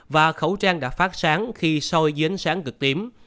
và khẩu trang đã phát sáng khi soi dưới ánh sáng cực tím